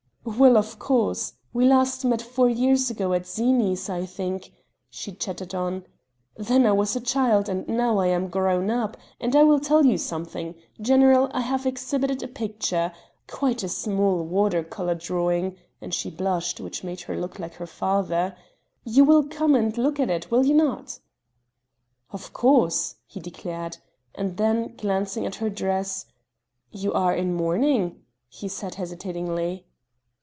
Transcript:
"Well, of course. We last met four years ago at Zini's I think, ..." she chattered on. "Then I was a child, and now I am grown up; and I will tell you something. General, I have exhibited a picture quite a small water color drawing," and she blushed, which made her look like her father, "you will come and look at it will you not?" "Of course," he declared; and then, glancing at her dress: "You are in mourning?" he said hesitatingly.